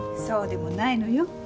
そうでもないのよ。